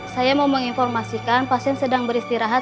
saya mau menginformasikan pasien sedang beristirahat